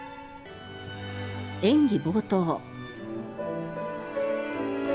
演技冒頭。